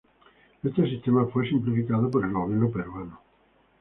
Este sistema fue simplificado por el gobierno peruano.